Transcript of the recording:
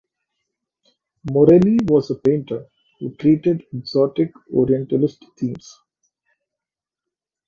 Morelli was a painter who treated exotic orientalist themes.